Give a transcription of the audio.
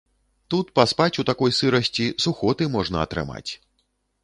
Тут паспаць у такой сырасці, сухоты можна атрымаць.